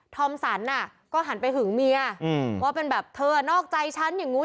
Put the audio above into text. อมสรรน่ะก็หันไปหึงเมียว่าเป็นแบบเธอนอกใจฉันอย่างนู้น